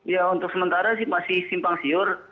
ya untuk sementara sih masih simpang siur